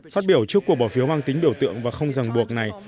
phát biểu trước cuộc bỏ phiếu mang tính biểu tượng và không ràng buộc này